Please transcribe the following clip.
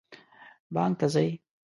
بانک ته ځئ؟